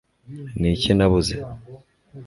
ni iki nabuze